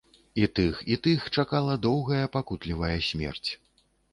І тых, і тых чакала доўгая пакутлівая смерць.